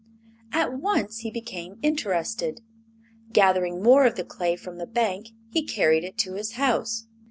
At once he became interested. Gathering more of the clay from the bank he carried it to his house.